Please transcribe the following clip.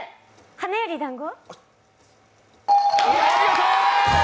「花より男子」？